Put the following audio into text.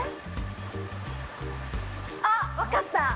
あ、分かった！